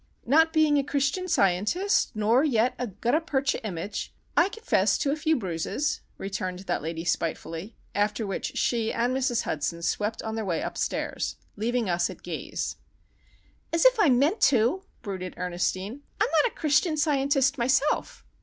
"Not being a Christian Scientist, nor yet a gutta percha image, I confess to a few bruises," returned that lady, spitefully; after which she and Mrs. Hudson swept on their way upstairs, leaving us at gaze. "As if I meant to," brooded Ernestine. "I'm not a Christian Scientist, myself.